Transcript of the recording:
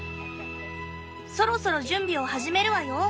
『そろそろ準備を始めるわよ』